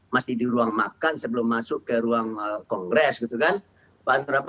masih di ruang makan sebelum masuk ke ruang kongres gitu kan